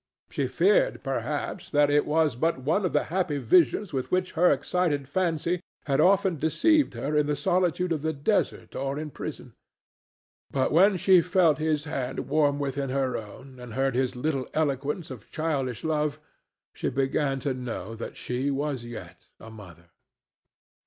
She feared, perhaps, that it was but one of the happy visions with which her excited fancy had often deceived her in the solitude of the desert or in prison; but when she felt his hand warm within her own and heard his little eloquence of childish love, she began to know that she was yet a mother.